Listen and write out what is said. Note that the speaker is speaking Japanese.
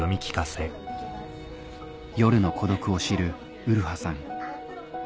夜の孤独を知る麗さん